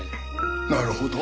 なるほど。